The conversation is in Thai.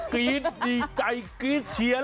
กรี๊ดดีใจกรี๊ดเชียน